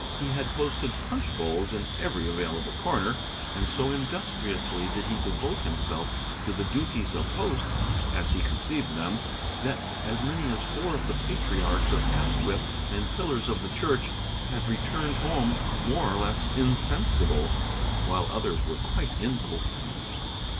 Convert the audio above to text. He had posted punch bowls in every available corner, and so industriously did he devote himself to the duties of host, as he conceived them, that as many as four of the patriarchs of Asquith and pillars of the church had returned home more or less insensible, while others were quite incoherent.